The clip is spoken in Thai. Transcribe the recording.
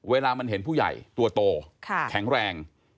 เวลามันเห็นผู้ใหญ่ตัวโตแข็งแรง